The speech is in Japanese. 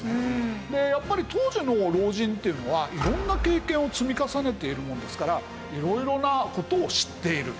やっぱり当時の老人っていうのは色んな経験を積み重ねているものですから色々な事を知っている。